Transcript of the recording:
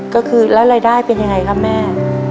ก็คือแล้วรายได้เป็นยังไงครับแม่